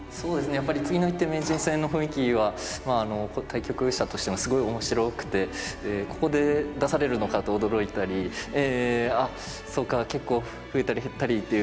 やっぱり「次の一手名人戦」の雰囲気は対局者としてもすごい面白くてここで出されるのかと驚いたりそうか結構増えたり減ったりっていう。